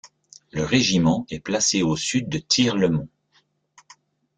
Le régiment est placé au sud de Tirlemont.